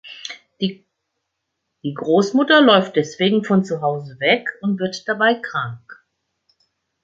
Die Großmutter läuft deswegen von zu Hause weg und wird dabei krank.